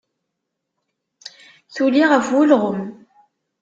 Tuli ɣef ulɣem.